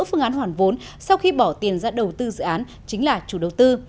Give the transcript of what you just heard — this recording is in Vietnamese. phương án hoàn vốn sau khi bỏ tiền ra đầu tư dự án chính là chủ đầu tư